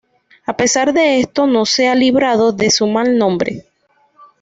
A pesar de esto no se ha librado de su mal nombre.